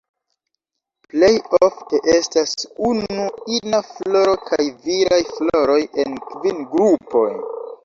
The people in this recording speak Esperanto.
Plej ofte estas unu ina floro kaj viraj floroj en kvin grupoj.